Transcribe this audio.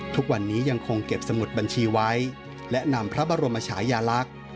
ทุกวันนี้ยังคงเก็บสมุดบัญชีไว้และนำพระบรมชายาลักษณ์